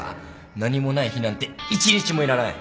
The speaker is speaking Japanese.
何もない日なんて１日もいらない